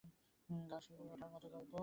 গা শিউরে ওঠা গল্প।